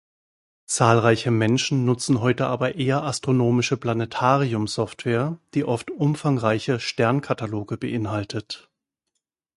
Zahlreiche Menschen nutzen heute aber eher astronomische Planetarium-Software, die oft umfangreiche Sternkataloge beinhaltet.